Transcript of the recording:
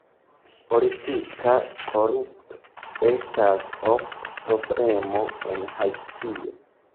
Politika korupto estas ofta problemo en Haitio.